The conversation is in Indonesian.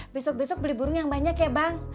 besok besok beli burung yang banyak ya bang